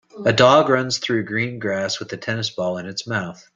A dog runs through green grass with a tennis ball in its mouth.